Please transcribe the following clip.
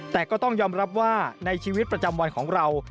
แต่ก็ต้องยอมรับว่าในชีวิตประจำวันของเรา